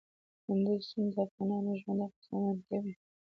کندز سیند د افغانانو ژوند اغېزمن کوي.